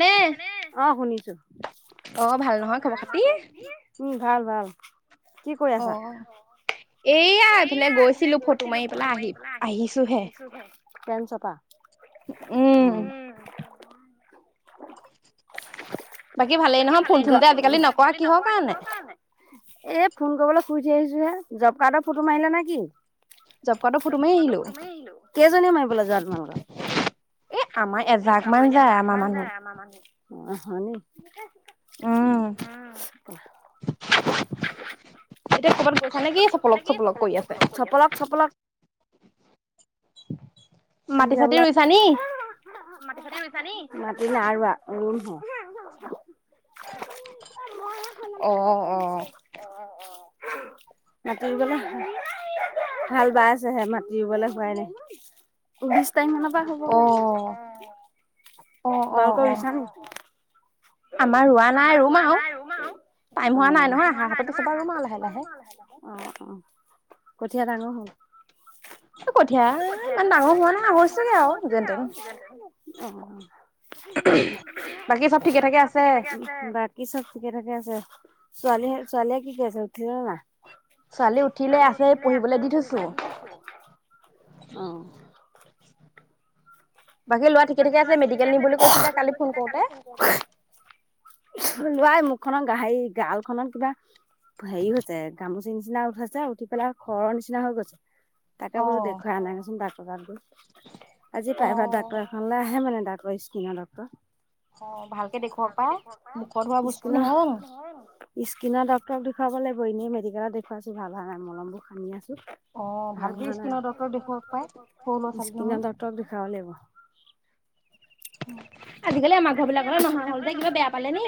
ও শুনিছা নে অ শুনিছোঁ। অ ভাল নহয় খবৰ খাতি উম ভাল ভাল কি কৰি আছা? এইয়া এফালে গৈছিলোঁ ফটো মাৰি পেলাই আহি আহিছোহে উম। [inaudible] বাকী ভালেই নহয় ফোন চোন যে আজিকালি নকৰা কিহৰ কাৰণে এ ফোন কৰিবলৈ শুই উঠি আহিছোঁ হে জব কাৰ্ডৰ ফটো মাৰিলে নেকি? কেইজনীয়ে মাৰিবলৈ যোৱা তোমালোকে এ আমাৰ এজাক মান যায় আমাৰ মানুহ [inaudible] উম হয় নেকি উম। এতিয়া ক'ৰবাত গৈছা নেকি চপলক চপলক চপলক চপলক মাটি চাটি ৰুইছা নেকি? মাটি নাই ৰুৱা ৰুম হে [unintelligible] খলক খলক কৰি আছে অ' অ' মাটি ৰুবলে হাল বাই আছে হে মাটি ৰুবলে হোৱাই নাই। ঊনত্ৰিশ তাৰিখ মানৰ পৰা হ'ব গে। অহ অ অ অ। আমাৰ ৰোৱা নাই ৰুম আও টাইম হোৱা নাই নহয় আহাৰ হাতৰ পিছৰ পা ৰুম আও লাহে লাহে। অঁ অঁ কঠীয়া ডাঙৰ হ'ল। এ কঠীয়া ইমান ডাঙৰ হোৱা নাই হৈছেগে আও যেনতেন অ'হ বাকী চব ঠিকে ঠাকে আছে? আছে। বাকী চ'ব ঠিকে থাকে আছে, ছোৱালীহে ছোৱালীয়ে কি কৰি আছে উঠিলে নে নাই? ছোৱালী উঠিলে আছে এই পঢ়িবলে দি থৈছো। অঁহ বাকী ল'ৰা ঠিকে ঠাকে আছে, মেডিকেল নিম বুলি কৈছিলে কালি ফোন কৰোতে। [unintelligible] ল'ৰাৰ মুখ খনত গা হেৰি গাল খনত কিবা হেৰি হৈছে, ঘামুচি নিচিনা উঠিছে উঠি পেলাই খৰৰ নিচিনা হৈ গৈছে। তাকে বোলো দেখুৱাই আনাগে চোন ডাক্তৰ তাত গৈ আজি প্ৰাইভেট ডাক্তৰ এখনলে আহে মানে ডাক্তৰ স্কিনৰ ড অঁ, ভালকে দেখুৱাক পাই, মুখত হোৱা বস্তু নহয় জানো? স্কিনৰ ডক্তৰক দেখুৱাব লাগিব ইনেই মেডিকেলত দেখুৱাইছো ভাল হোৱা নাই, মলমবোৰ সানি আছো। ভাল হোৱা নাই, [unintelligible] স্কিনৰ ডক্তৰক দেখুৱাব লাগিব। আজিকালি আমাৰ ঘৰ বিলাকলে ন'হা হ'ল যে কিবা বেয়া পালে নি?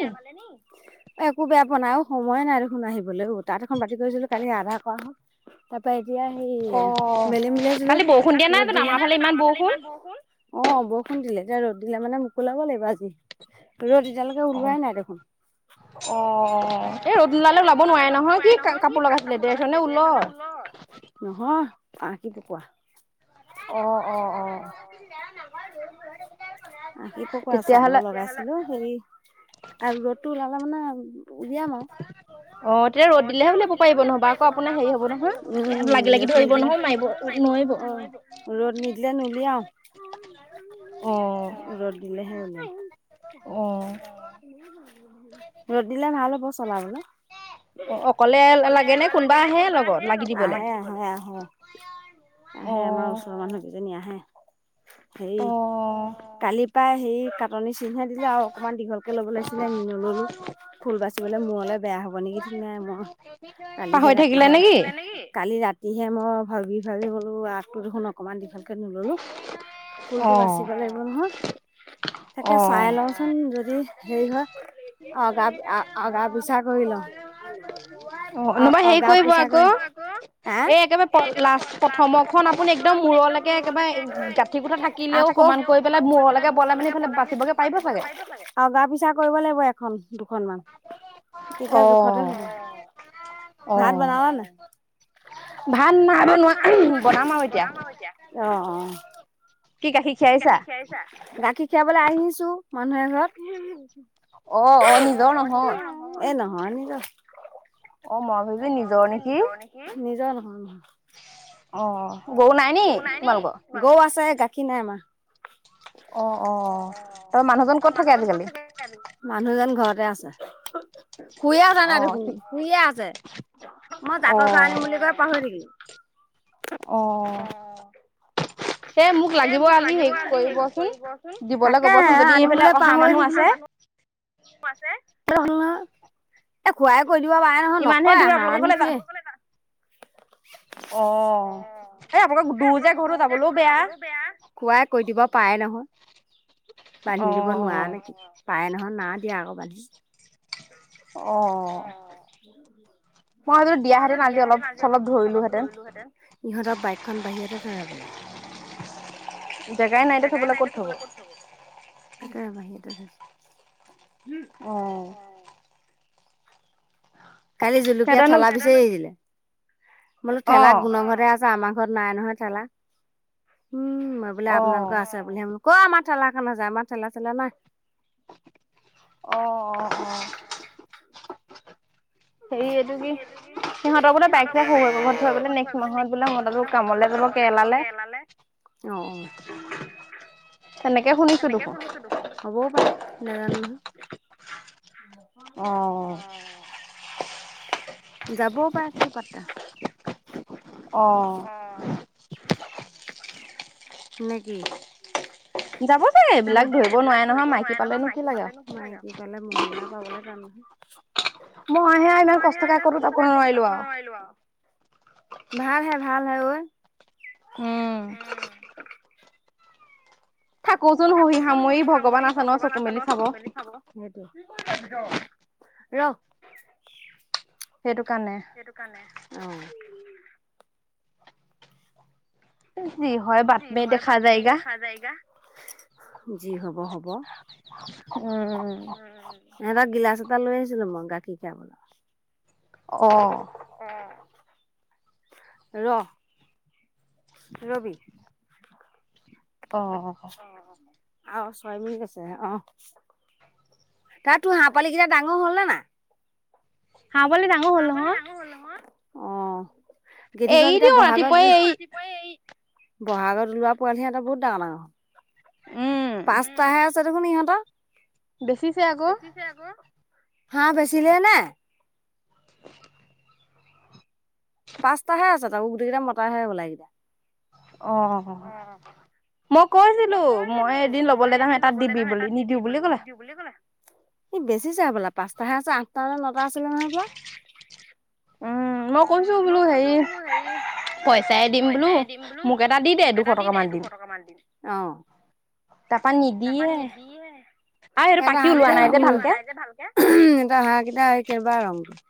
একো বেয়া পোৱা নাই অ' সময়ে নাই দেখোন আহিবলে ও তাঁত এখন বাতি কৰিছিলো কালি আধা কৰা হ'ল তাৰ পা এতিয়া সেই মেলিম বুলি ভাবিছিলো, ৰ'দ দিলে, কালি ব'ষুণ দিয়া নাই জানো আমা ব'ষুণ অঁ ব'ষুণ দিলে, এতিয়া ৰ'দ দিলে মানে মোকোলাব লাগিব আজি। ৰ'দ এতিয়ালেকে ওলোৱাই নাই দেখোন। অঁ এই ৰ'দ ওলালে ওলাব নোৱাৰে নহয় কি কা - কাপোৰ লগাইছিলে দেচনে ঊলৰ? নহয় আশি পকোৱা। অ' অ' [unintelligible] আশি পকৱা, চাদৰ লগাইছিলো। সেই আৰ ৰ'দটো ওলালে মানে উলিয়াম আও অ' তেতিয়া ৰ'দ দিলেহে উলিয়াব পাৰিব নহ'বা আকৌ আপোনাৰ হেৰি হব নহয়, লাগি লাগি ধৰিব নহয় মায়িবো নোৱাৰিব। ৰ'দ নিদিলে নোলিয়াও, ৰ'দ দিলেহে উলিয়াম। ৰ'দ দিলে ভাল হ'ব চলাবলে। অ অকলে লাগে নে কোনোবা আহে লগত লাগি দিবলে? আহে আমাৰ ওচৰৰ মানুহ দুজনী আহে, হেই কালি পাই হেই কা টনি চিনহে দিলো আও অকমান দীঘলকে লব' লাগিছিলে নল'লো। ফুল বাচিবলে মোৰলে বেয়া হ'ব নেকি, ঠিক নাই মই কালিহে ৰাতিহে, পাহৰি থাকিলে নেকি? কালি ৰাতিহে মই ভাবি ভাবি বোলো আগটো দেখোন অকমান ভালকে নল'লো। ফুলটো বাচিব লাগিব নহয়, তাকে চাই লওঁ চোন যদি হেৰি হয় [unintelligible] অ' ন'হবা হেৰি কৰিব আক' এ একেবাৰে প - লাষ্ট প্ৰথমৰ খন আপুনি একদম মূৰলে কে একেবাৰে গাঁঠি কোঠা থাকিলেও সমান কৰি পেলাই মূৰলৈকে বলেই মানে ফালে বাচিবগে পাৰিব চাগে। [unintelligible] অগা পিচা কৰিব লাগিব এখন দুখন মান। তেতিয়া জোখতে হ'ব। ভাত বনালা নে নাই? ভাত নাই বনোৱা, বনাম আৰু এতিয়া। অ' অ' কি গাখীৰ খীৰাইছা? গাখীৰ খীৰাবলৈ আহিছোঁ মানুহ এঘৰত। অ' অ' নিজৰ নহয়। এ নহয় নিজৰ। অ' মই ভাবিছোঁ নিজৰ নেকি? নিজৰ নহয় নহয়। অ' গৰু নাই নি তোমালোকৰ? গৰু আছে, গাখীৰ নাই আমাৰ। অ' অ' ত মানুহজন ক'ত থাকে আজিকালি? [inaudible] মানুহজন ঘৰতে আছে। শুইয়ে উঠা নাই দেখোন, শুইয়ে আছে। মই জাকৈ খোৱা আনিম বুলি কৈ পাহৰি থাকিলোঁ। অ' [inaudible] এ মোক লাগিব আজি হেৰি কৰিবচোন, দিবলৈ ক'বচোন যদি এইফালে অহা মানুহ আছে। আছে হ'ল ন। এ খুড়াই কৰি দিব পাৰে নহয়, নকৰে হাৰামি যে। অ' এই আপোনাকৰ দূৰ যে ঘৰতো যাবলৈও বেয়া। খুড়াই কৰি দিব পাৰে নহয়, বান্ধি দিব নোৱাৰা নেকি পাৰে নহয় না। এই আকৌ বান্ধি [unintelligible] অ' মই ভাবিছোঁ দিয়াহেতেন আজি অলপ চলপ ধৰিলোহেঁতেন। ইহঁতৰ বাইকখন বাহিৰতে থয় হ'বলা। জেগাই নাই দে থ'বলৈ, ক'ত থ'ব? তাকে বাহিৰতে থৈছে হ'ম অ'। কালি জুলুকীয়া ঠেলা বিচাৰি আহিলে, মই বোলোঁ ঠেলাক গুণ ঘৰতে আছে। যে আমাৰ ঘৰত নাই নহয় ঠেলা, উম' মই বোলে আপোনালোকৰ আছে। [unintelligible] ক আমাৰ ঠেলা খেলা আছে, আমাৰ ঠেলা চেলা নাই। অ' অ' অ' হেৰি এইটো কি সিহঁতৰ বোলে বাইক চাইক শহুৰেকৰ ঘৰত থয় বোলে, নেক্সট মাহত বোলে মতাটো কামলে যাব কেৰেলালে। অ' এনেকে শুনিছোঁ দেখোন। হ'বও পাৰে, নাজানোঁ নহয়। অ' [unintelligible] যাবও পাৰে কি পাত্তা। অ'হ নে কি যাব চাগে এইবিলাক ধৰিব নোৱাৰে নহয়, মাইকী পালেনো কি লাগে আৰু। মাইকী পালে মহিমা পাবলে টান নহয়। মইহে ইমান কষ্টকে ক'তো যাব নোৱাৰিলোঁ আও। খাই লোৱা ভাল হে, ভাল হে ঐ, উম। থাকোচোন সহি সামৰি, ভগৱান আছে নহয়, চকু মেলি চাব। সেইটোৱে, ৰ। সেইটো কাৰণে। সেইটোকাৰণে অ'। যি হয় বাদ মে দেখা যায়গা। যায়গা, যি হ'ব হ'ব। উম' এহেটৰ গিলাচ এটা লৈ আহিছিলো মই গাখীৰ খিয়াবলে। অঁ'। অ। ৰহ, ৰ'বি। অ'। আৰু ছয় মিনিট আছে। অ' কাৰ তোৰ হাঁহ পোৱালি কেইটা ডাঙৰ হলনে নাই? হাঁহ পোৱালি ডাঙৰ হ'ল নহয়। হ'ল নহয়। অ' গেধিঘৰৰ কেইটা বহাগত, বহাগত ওলোৱা পোৱালিহে সিহঁতৰ বহুত ডাঙৰ ডাঙৰ। পাঁচটাহে আছে দেখোন ইহঁতৰ। বেচিছে আক। হাঁহ বেচিলেই নে? [inaudible] পাঁচটাহে আছে, তাকো গোটেইকেইটা মতাহে হবলা এইগিতা। অ'। অ' মই কৈছিলো মই এদিন লবলে যাম এটা দিবি বুলি। নিদিও বুলি ক'লে। বুলি কলে। ই বেছিছে হ'বলা, পাঁচটাহে আছে, আঠটা নে ন'টা আছিলে নহয় হ'বলা। মক কৈছো বোলো হেৰি, পইচাই দিম বোলো, মোক এটা দি দে দুশ টকামান দিম। অ'। তাপা নিদিয়ে, এহেতৰ হাঁহ গিতা, ওলোৱা নাই যে ভালকে। এহেতৰ হাঁহ কেইটা কেওবা ৰঙটো।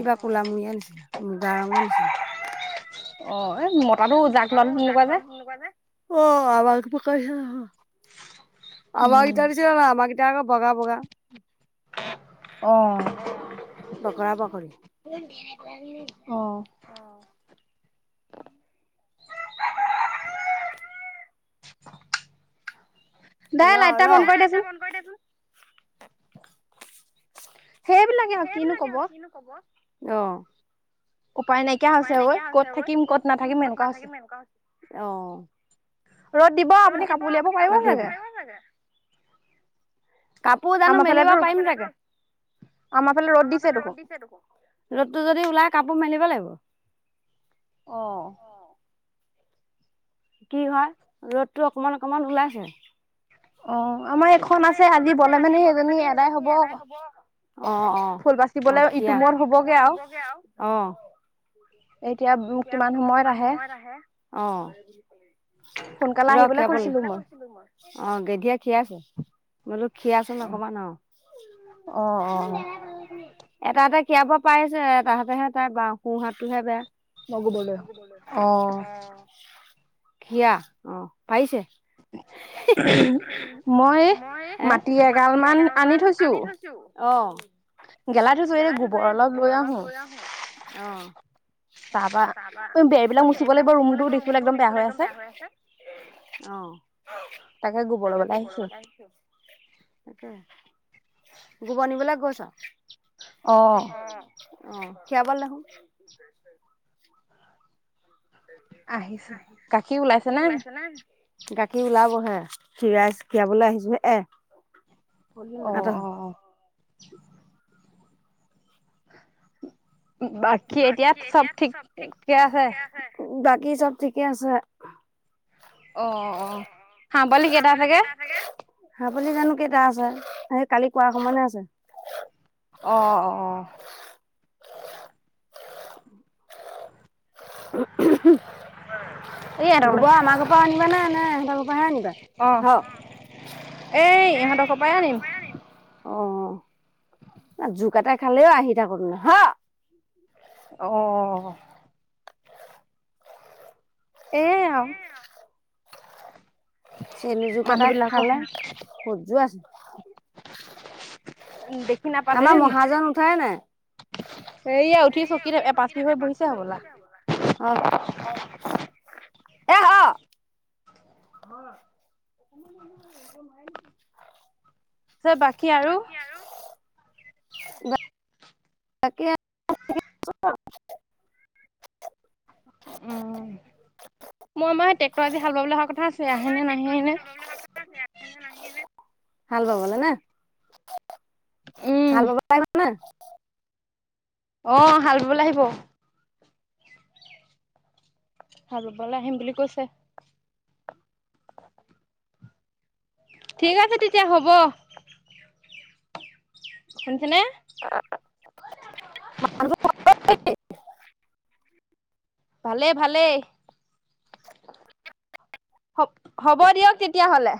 কিবা কোলামূৰীয়া নিচিনা, মুগা ৰঙৰ নিচিনা। অ' এই মতাটো জাকলন তেনেকুৱা যে। অ' আমাৰ গিতা নিচিনা নহয়, আমাৰ গিতা নিচিনা নহয়, আমা বগা বগা। অ'। অ'। [unintelligible] ৰ' ৰ', লাইটগিতা বন্ধ কৰি দেচোন। সেইবিলাকে আৰু কিনো কব। খবৰ। অ। উপায় নাইকিয়া। উপায় নাইকিয়া হৈছে ঐ, ক'ত থাকিম ক'ত নাথাকিম এনেকুৱা হৈছে, অ' ৰ'দ দিব আপুনি কাপোৰ উলিয়াব পাৰিব চাগে। কাপোৰ জানো মেলিব পাৰিম চাগে, আমাৰ ফালে ৰদ দিছে দেখুন। ৰ'দটো যদি ওলাই কাপোৰ মেলিব লাগিব। অ। কি হয়, ৰ'দটো অকমান অকমান ওলাইছে। অ আমাৰ এখন আছে আজি বলে মানে সেইজনী এদাই হব অ অ [unintelligible] এতিয়া [unintelligible] কিমান সময়ত আহে অ ৰখ আপুনি আহিবলৈ কৈছিল মই অ গেধিয়া খিৰাইছে বোলো খিৰাইচেন অকমান আৰু এটা এটা খিৰাব পাৰিছে এটা হতেহে তাই বা সোঁহাতটোহে বেয়া অ খিয়াৰ অ পাৰিছে মই মাটি এগাল মান আনি থৈছো অ গেলাই থৈছো এই গোবৰ অলপ লৈ আহো অ তাৰ পৰা বেৰবিলাক মুচিব লাগিব ৰুমটো দেখিবলৈ একদম বেয়া হৈ আছে অ তাকে গোবৰ লবলৈ আহিছো তাকে গোবৰ নিবলৈ গৈছো অ খিৰাবলৈ আহিছো গাখীৰ ওলাইছে নে নাই গাখীৰ ওলাবহে খিৰাই খৰাবলৈ আহিছোহে এ আতৰ হো বাকী এতিয়াত চব ঠিককে আছে বাকী চব ঠিকে আছে অ হা পোৱালি কেইটা চাগে বা পোৱালি জানো কেইটা আছে সেই কালি কোৱাৰ সমানে আছে অ অ [unintelligible] গোবৰ আমাৰ ঘৰৰ পৰা আনিবা নে নে সিহঁতৰ পৰাহে আনিবা হ এ ইহঁতৰ ঘৰৰ পৰা আনিম অ জোক এটা খালেও আহি থাকো তেনে হ অ এ আৰু চেনি যোক এটা খালে খজু ৱাইছে উ দেখি নাপালে নেকি এয়া উঠি অহ [unintelligible] বাকী আৰু বাকি [inaudible] [inaudible] উম মই মাৰ ট্ৰেক্টৰ আজি হাল বাবলৈ অহাৰ কথা আছে আহেনে নাহেনে হাল বাবলৈ না হাল বাব [unintelligible] অ হাল বাবলৈ আহিব হালবাবলৈ আহিম বুলি কৈছে ঠিক আছে তেতিয়া হ'ব শুনিছনে মাজত [unintelligible] ভালে ভালেই হ'ব দিয়ক তেতিয়াহ'লে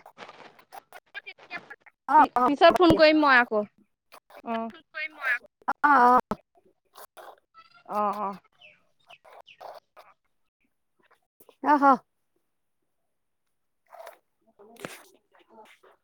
অ অ হব দিয়া [unintelligible] অ অ অ অ অহ অ [unintelligible]